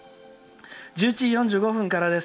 １１時４５分からです。